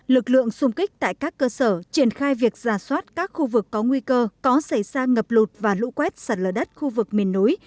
lực lượng xung kích tại các cơ sở triển khai việc giả soát các khu vực có nguy cơ có xảy ra ngập lụt và lũ quét sạt lở đất khu vực miền núi